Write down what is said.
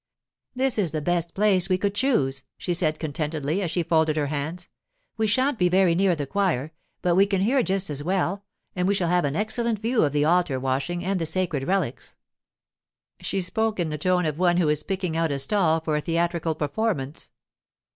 'This is the best place we could choose,' she said contentedly as she folded her hands. 'We shan't be very near the choir, but we can hear just as well, and we shall have an excellent view of the altar washing and the sacred relics.' She spoke in the tone of one who is picking out a stall for a theatrical performance.